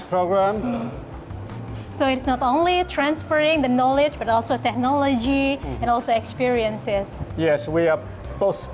ya kami berdua berhadapan dengan masalah penyakit dan penyebab penyakit kardiologis